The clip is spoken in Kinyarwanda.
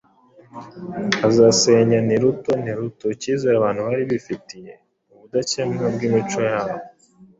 bizasenya niruto niruto icyizere abantu bari bafitiye ubudakemwa bw’imico yabo